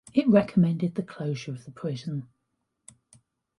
It recommended the closure of the prison.